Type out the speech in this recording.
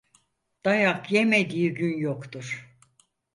Dayak yemediği gün yoktur.